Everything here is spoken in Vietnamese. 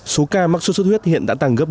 số ca mắc sốt xuất huyết hiện đã tăng gấp bốn lần